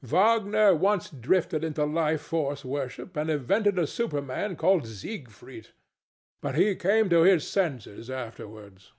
Wagner once drifted into Life Force worship, and invented a Superman called Siegfried. But he came to his senses afterwards.